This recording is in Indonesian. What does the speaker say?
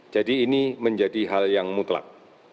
jadi ini menjadi hal yang mutlak